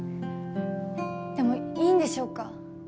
でもいいんでしょうか？